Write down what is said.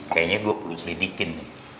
kayaknya gue perlu selidikin nih